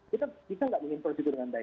kita bisa nggak menginformasikan dengan baik